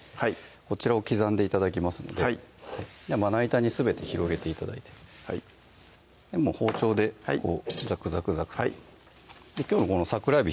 こちらを刻んで頂きますのでまな板にすべて広げて頂いてはい包丁でザクザクザクとはいきょうこの桜えび